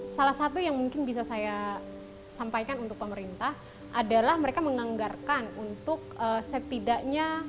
salah satu yang mungkin bisa saya sampaikan untuk pemerintah adalah mereka menganggarkan untuk setidaknya